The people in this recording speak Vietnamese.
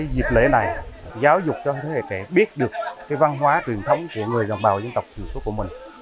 dịp lễ này giáo dục cho thế hệ trẻ biết được văn hóa truyền thống của người đồng bào dân tộc thiểu số của mình